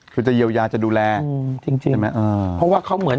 คือจะเยียวยาจะดูแลจริงเห็นไหมอ่าเพราะว่าเขาเหมือน